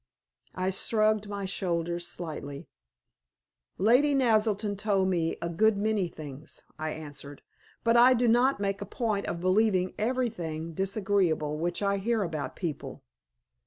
I shrugged my shoulders slightly. "Lady Naselton told me a good many things," I answered; "but I do not make a point of believing everything disagreeable which I hear about people.